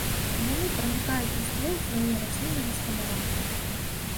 Яны пранікаюць у ствол сваёй расліны-гаспадара.